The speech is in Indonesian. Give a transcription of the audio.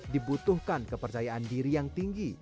dibutuhkan kepercayaan diri yang tinggi